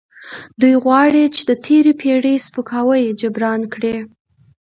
دوی غواړي چې د تیرې پیړۍ سپکاوی جبران کړي.